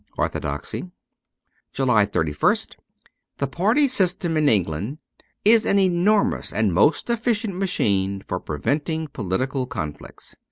' Orthodoxy.' 234 JULY 31st THE party system in England is an enormous and most efficient machine for preventing political conflicts.